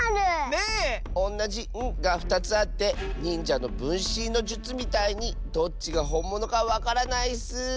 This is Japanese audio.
おんなじ「ん」が２つあってにんじゃのぶんしんのじゅつみたいにどっちがほんものかわからないッス！